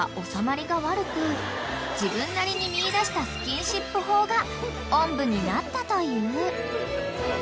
［自分なりに見いだしたスキンシップ法がおんぶになったという］